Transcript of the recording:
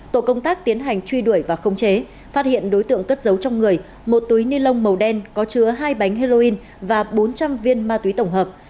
tổ công tác tiến hành truy đuổi và khống chế phát hiện đối tượng cất giấu trong người một túi ni lông màu đen có chứa hai bánh heroin và bốn trăm linh viên ma túy tổng hợp